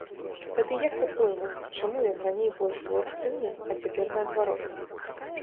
Тады як, па-твойму, чаму ён раней больш быў актыўным, а цяпер наадварот?